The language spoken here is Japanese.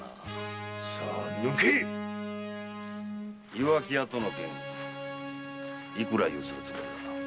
岩城屋との件いくら強請るつもりだ？